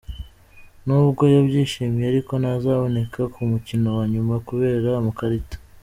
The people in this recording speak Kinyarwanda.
Nubwo yabyishimiye ariko, ntazaboneka ku mukino wa nyuma kubera amakarita.